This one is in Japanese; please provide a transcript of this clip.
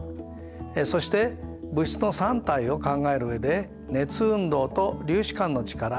そして「物質の三態」を考える上で「熱運動」と「粒子間の力」